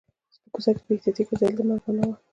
په کوڅه کې په بې احتیاطۍ ګرځېدل د مرګ په معنا و